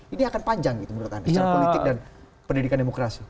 ini akan panjang gitu menurut anda secara politik dan pendidikan demokrasi